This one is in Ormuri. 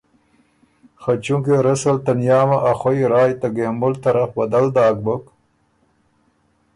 خه چونکې رسل تنیامه ا خوئ رایٛ ته ګېمُل طرف بدل داک بُک